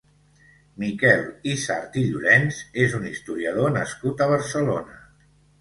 Miquel Izard i Llorens és un historiador nascut a Barcelona.